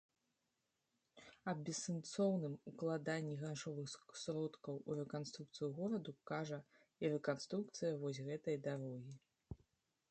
Аб бессэнсоўным укладанні грашовых сродкаў у рэканструкцыю гораду кажа і рэканструкцыя вось гэтай дарогі.